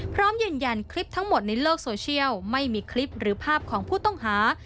พร้อมยืนยันคลิปทั้งหมดในโลกโซเชียลไม่มีคลิปหรือภาพของผู้ต้องหา